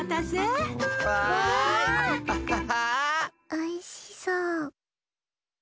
おいしそう。